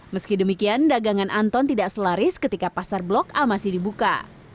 meski demikian dagangan anton tidak selaris ketika pasar blok a masih dibuka